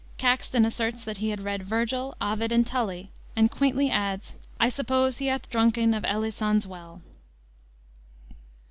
Caxton asserts that he had read Virgil, Ovid, and Tully, and quaintly adds, "I suppose he hath dronken of Elycon's well."